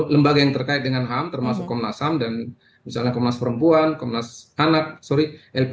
lembaga yang terkait dengan ham termasuk komnas ham dan misalnya komnas perempuan komnas anak sorry lp